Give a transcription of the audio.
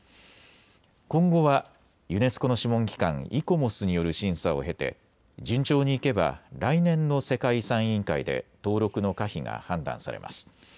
今後はユネスコの諮問機関、イコモスによる審査を経て順調にいけば来年の世界遺産委員会で登録の可否が判断されます。